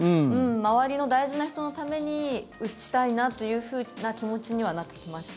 周りの大事な人のために打ちたいなという気持ちにはなってきました。